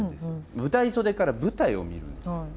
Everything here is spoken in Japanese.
舞台袖から舞台を見るんですよ。